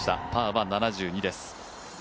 パーは７２です。